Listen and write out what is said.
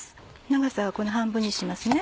長さはこの半分にしますね。